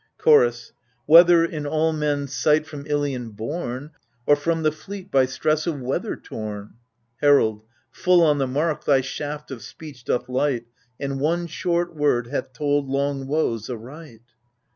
Chorus Whether in all men*s sight from Ilion borne. Or from the fleet by stress of weather torn ? Herald Full on the mark thy shaft of speech doth light, And one short word hath told long woes aright.